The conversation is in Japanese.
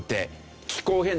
気候変動。